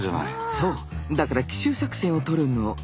そうだから奇襲作戦をとるの。